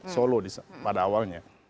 solo pada awalnya